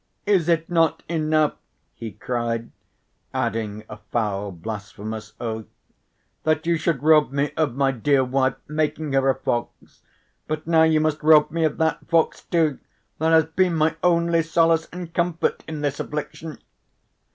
"Is it not enough," he cried, adding a foul blasphemous oath, "that you should rob me of my dear wife, making her a fox, but now you must rob me of that fox too, that has been my only solace and comfort in this affliction?"